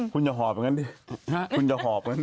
คุณจะหอบเหรอครับ